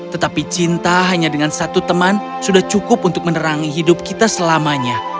tetapi cinta hanya dengan satu teman sudah cukup untuk menerangi hidup kita selamanya